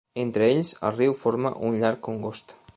Entre ells, el riu forma un llarg congost.